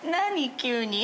急に。